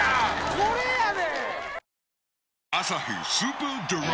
これやで！